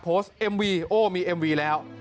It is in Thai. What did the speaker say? เอ็มวีโอ้มีเอ็มวีแล้ว